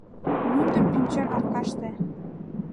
Мӱндыр пӱнчер аркаште